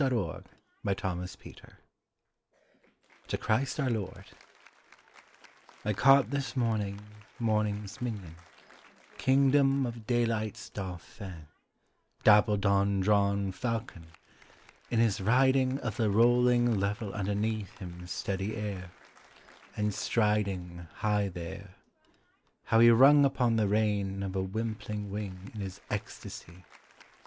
12 The Windhover: To Christ our Lord I CAUGHT this morning morning's minion, king dom of daylight's dauphin, dapple dawn drawn Fal con, in his riding Of the rolling level underneath him steady air, and striding High there, how he rung upon the rein of a wimpling wing In his ecstacy!